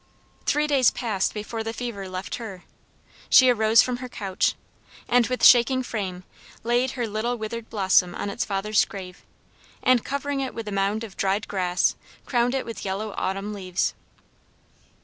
Three days passed before the fever left her. She arose from her couch, and, with shaking frame, laid her little withered blossom on its father's grave, and covering it with a mound of dried grass, crowned it with yellow autumn leaves.